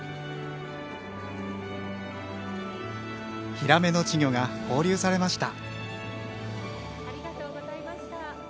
ヒラメの稚魚が放流されました。